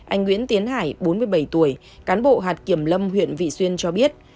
anh nguyễn tiến hải bốn mươi bảy tuổi cán bộ hạt kiểm lâm huyện vị xuyên cho biết